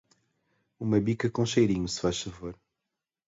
Uma bica com cheirinho, se faz favor.